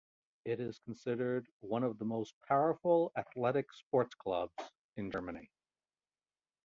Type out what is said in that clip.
It is considered one of the most powerful Athletics Sports clubs in Germany.